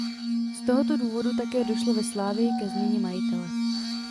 Z tohoto důvodu také došlo ve Slavii ke změně majitele.